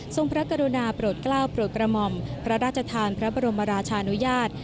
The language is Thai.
พระกรุณาโปรดกล้าวโปรดกระหม่อมพระราชทานพระบรมราชานุญาต